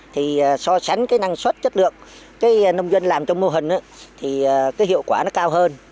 thì so sánh cái năng suất chất lượng cái nông dân làm trong mô hình thì cái hiệu quả nó cao hơn